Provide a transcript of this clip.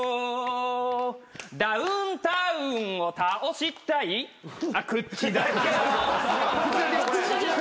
「ダウンタウンを倒したい口だけ男」